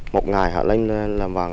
một ngày họ lên làm vào